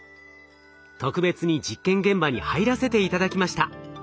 特別に実験現場に入らせて頂きました。